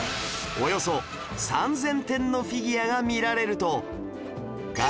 およそ３０００点のフィギュアが見られると